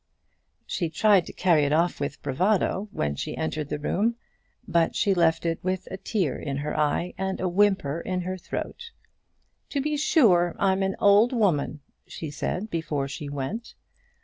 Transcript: She tried to carry it off with bravado when she entered the room, but she left it with a tear in her eye, and a whimper in her throat. "To be sure, I'm an old woman," she said before she went.